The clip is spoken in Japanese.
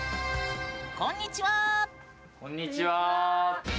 こんにちは。